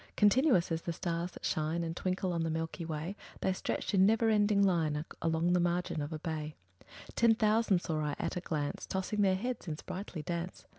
Continuous as the stars that shine And twinkle on the milky way, The stretched in never ending line Along the margin of a bay: Ten thousand saw I at a glance, Tossing their heads in sprightly dance.